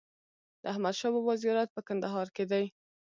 د احمد شا بابا زیارت په کندهار کی دی